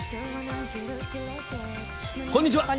こんにちは。